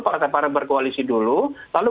partai partai berkoalisi dulu lalu